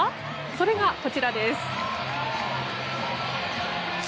それがこちらです。